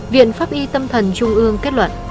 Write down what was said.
viện pháp y tâm thần trung ương kết luận